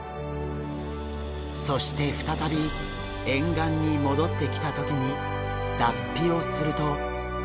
そして再び沿岸に戻ってきた時に脱皮をすると。